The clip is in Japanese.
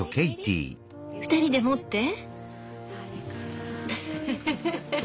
２人で持って。